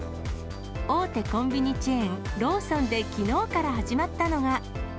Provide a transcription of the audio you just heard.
大手コンビニチェーン、ローソンできのうから始まったのが。